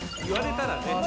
言われたらね。